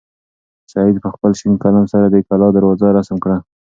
سعید په خپل شین قلم سره د کلا دروازه رسم کړه.